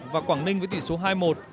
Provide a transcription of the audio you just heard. và quảng ninh với tỷ số hai một